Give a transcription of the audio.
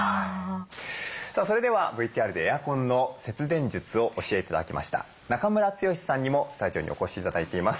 それではＶＴＲでエアコンの節電術を教えて頂きました中村剛さんにもスタジオにお越し頂いています。